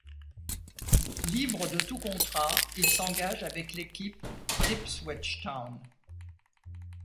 Libre de tout contrat il s'engage avec l'équipe d'Ipswich Town.